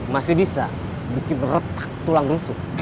masih bisa bikin retak tulang rusuk